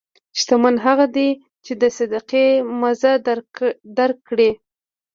شتمن هغه دی چې د صدقې مزه درک کړي.